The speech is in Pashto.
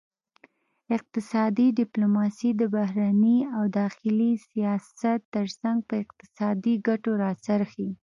اقتصادي ډیپلوماسي د بهرني او داخلي سیاست ترڅنګ په اقتصادي ګټو راڅرخي